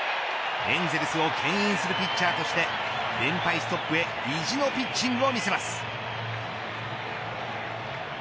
エンゼルスをけん引するピッチャーとして連敗ストップへ意地のピッチングを見せます。